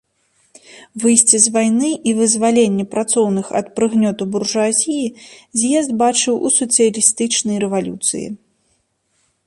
Выйсце з вайны і вызваленне працоўных ад прыгнёту буржуазіі з'езд бачыў у сацыялістычнай рэвалюцыі.